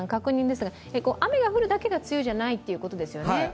雨が降るだけが梅雨じゃないっていうことですよね。